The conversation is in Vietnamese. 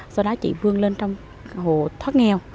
sau đó chị vươn lên trong hộ thoát nghèo